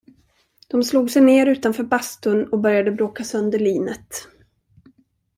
De slog sig ner utanför bastun och började bråka sönder linet.